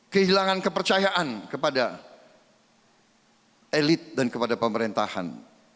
kehilangan kepercayaan kepada elit dan kepada pemerintahan